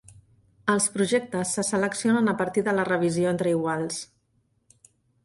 Els projectes se seleccionen a partir de la revisió entre iguals.